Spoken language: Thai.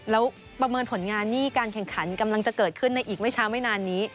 แล้วประเมินผลงานนี่การแข่งขันกำลังจะเกิดขึ้นในอีกไม่ช้าไม่นานนี้